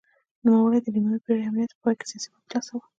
نوموړي د نیمايي پېړۍ امنیت په پای کې سیاسي واک لاسته راوړ.